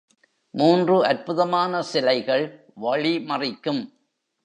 மூன்று அற்புதமான சிலைகள் வழி மறிக்கும்.